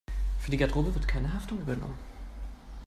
Für die Garderobe wird keine Haftung übernommen.